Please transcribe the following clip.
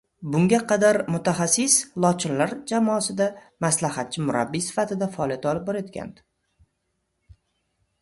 Bunga qadar mutaxassis “lochinlar” jamoasida maslahatchi murabbiy sifatida faoliyat olib borayotgandi